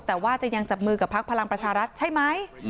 แต่ว่าจะยังจับมือกับพักพลังประชารัฐใช่ไหม